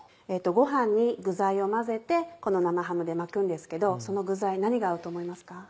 ご飯に具材を混ぜてこの生ハムで巻くんですけどその具材何が合うと思いますか？